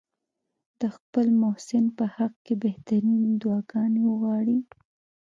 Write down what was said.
د خپل محسن په حق کې بهترینې دعاګانې وغواړي.